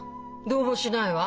どうもしないわ。